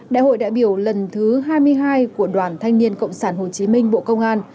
đại hội đại biểu lần thứ hai mươi hai của đoàn thanh niên cộng sản hồ chí minh bộ công an